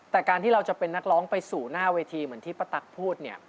แต่การที่เราจะเป็นนักร้องไปสู่หน้าเวทีเหมือนที่ป้าตั๊กพูดเนี่ย